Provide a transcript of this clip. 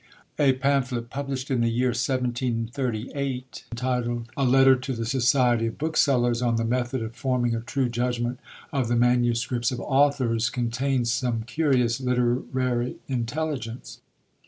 A pamphlet published in the year 1738, entitled "A Letter to the Society of Booksellers, on the Method of forming a true Judgment of the Manuscripts of Authors," contains some curious literary intelligence.